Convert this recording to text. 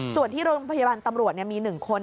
ส่วนที่โรงพยาบาลตำรวจมี๑คน